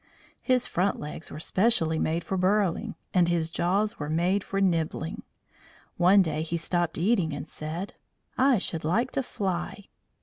His front legs were specially made for burrowing, and his jaws were made for nibbling. One day he stopped eating and said: "I should like to fly."